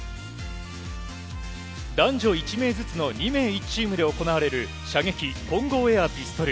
男女１名ずつの２名１チームで行われる射撃・混合エアピストル。